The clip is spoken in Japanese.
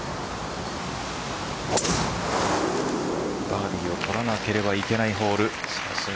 バーディーを取らなければいけないホール。